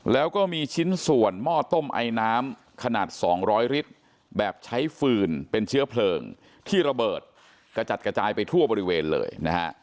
แล้วก็มีชิ้นส่วนหม้อต้มไอน้ำขนาด๒๐๐ลิตรแบบใช้ฟืนเป็นเชื้อเพลิงที่ระเบิดกระจัดกระจายไปทั่วบริเวณเลยนะฮะ